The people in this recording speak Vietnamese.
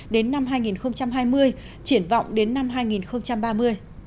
đến năm hai nghìn hai mươi triển vọng đến năm hai nghìn ba mươi